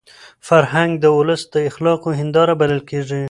فرهنګ د ولس د اخلاقو هنداره بلل کېږي.